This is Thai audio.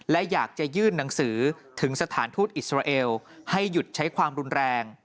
และอยากจะยื่นหนังสือถึงสถานทูตอิสราเอลให้หยุดใช้ความรุนแรง